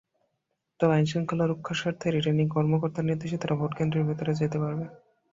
তবে আইনশৃঙ্খলা রক্ষার স্বার্থে রিটার্নিং কর্মকর্তার নির্দেশে তারা ভোটকেন্দ্রের ভেতরে যেতে পারবে।